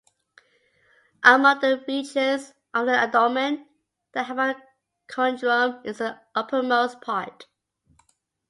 Among the regions of the abdomen, the hypochondrium is the uppermost part.